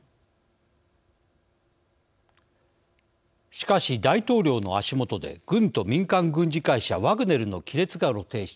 しかし大統領の足元で軍と民間軍事会社ワグネルの亀裂が露呈しています。